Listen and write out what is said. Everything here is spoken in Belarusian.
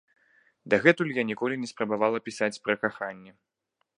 Дагэтуль я ніколі не спрабавала пісаць пра каханне.